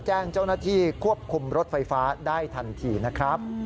แจ้งเจ้าหน้าที่ควบคุมรถไฟฟ้าได้ทันทีนะครับ